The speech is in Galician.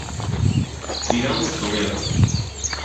Tiramos con el.